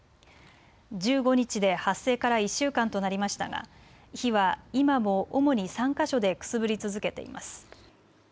１５日で発生から１週間となりましたが火は今も主に３か所でくすぶり続けています。